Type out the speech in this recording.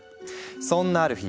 そんなある日。